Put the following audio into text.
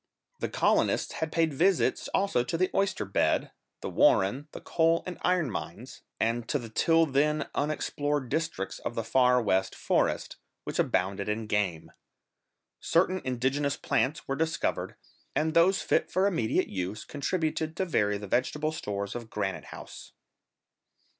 The colonists had paid visits also to the oyster bed, the warren, the coal and iron mines, and to the till then unexplored districts of the Far West forest, which abounded in game. Certain indigenous plants were discovered, and those fit for immediate use, contributed to vary the vegetable stores of Granite House.